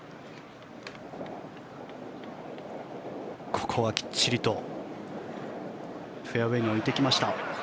ここはきっちりとフェアウェーに置いてきました。